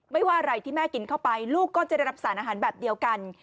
ว่าอะไรที่แม่กินเข้าไปลูกก็จะได้รับสารอาหารแบบเดียวกัน